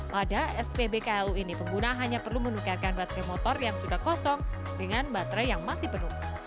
pada spbklu ini pengguna hanya perlu menukarkan baterai motor yang sudah kosong dengan baterai yang masih penuh